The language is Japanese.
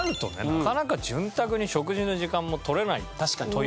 なかなか潤沢に食事の時間も取れないという前日ぐらいから。